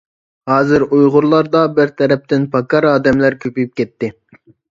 ھازىر ئۇيغۇرلاردا بىر تەرەپتىن پاكار ئادەملەر كۆپىيىپ كەتتى.